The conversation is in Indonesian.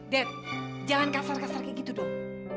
dep jangan kasar kasar kayak gitu dong